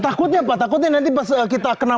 takutnya apa takutnya nanti pas kita kena